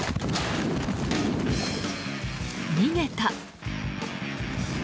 逃げた！